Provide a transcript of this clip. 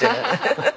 ハハハ。